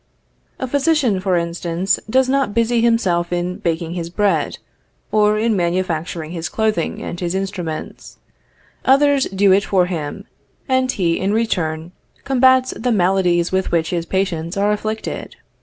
A physician, for instance, does not busy himself in baking his bread, or in manufacturing his clothing and his instruments; others do it for him, and he, in return, combats the maladies with which his patients are afflicted.